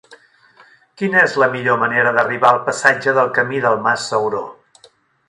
Quina és la millor manera d'arribar al passatge del Camí del Mas Sauró?